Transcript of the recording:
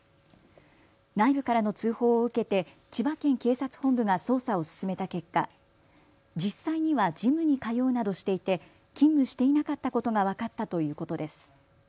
内部からの通報を受けて千葉県警察本部が捜査を進めた結果、実際にはジムに通うなどしていて勤務していなかったことが分かったということです。